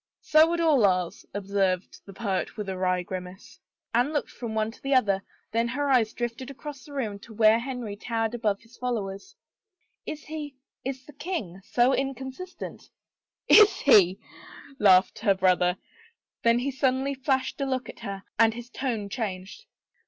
"" So would all ours," observed the poet with a wry grimace. Anne looked from one to the other, then her eyes 64 "'Is he — is the king — so inconstant?'" HOPE RENEWED drifted across the room to where Henry towered above his followers. " Is he — is the king — so inconstant ?"" Is he ?" laughed her brother. Then he suddenly flashed a look at her and his tone changed.